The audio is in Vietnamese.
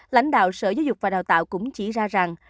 lãnh đạo sở giáo dục và đào tạo cũng chỉ ra rằng